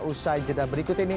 usai jeda berikut ini